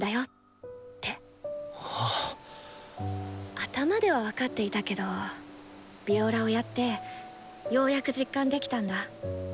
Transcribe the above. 頭では分かっていたけどヴィオラをやってようやく実感できたんだ。